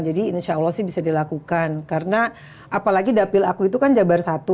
insya allah sih bisa dilakukan karena apalagi dapil aku itu kan jabar satu